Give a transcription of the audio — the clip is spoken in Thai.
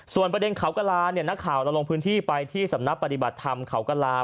ส่วนประเด็นเขากระลาเนี่ยนักข่าวเราลงพื้นที่ไปที่สำนักปฏิบัติธรรมเขากระลา